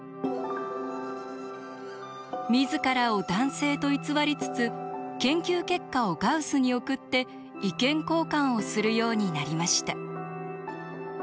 自らを男性と偽りつつ研究結果をガウスに送って意見交換をするようになりました。